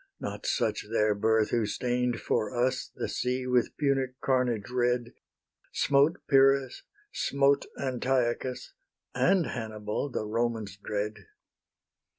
Not such their birth, who stain'd for us The sea with Punic carnage red, Smote Pyrrhus, smote Antiochus, And Hannibal, the Roman's dread.